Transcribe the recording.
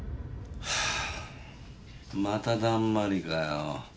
まただんまりかよ。